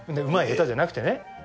うまい下手じゃなくてね。